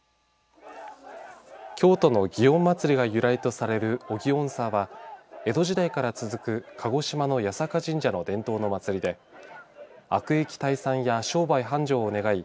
京都の祇園祭が由来とされるおぎおんさぁは江戸時代から続く鹿児島の八坂神社の伝統の祭りで悪疫退散や商売繁盛を願い